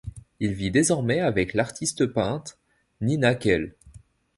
Il vit désormais avec l'artiste-peintre Nina Gehl.